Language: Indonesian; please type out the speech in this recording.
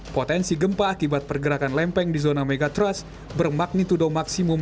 potensi gempa akibat pergerakan lempeng di zona megatrust bermagnitudo maksimum satu